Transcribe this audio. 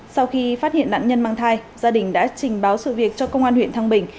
sau khi phát hiện nạn nhân mang thai gia đình đã trình báo sự việc cho công an huyện thăng bình